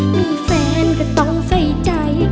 มีแฟนก็ต้องใส่ใจ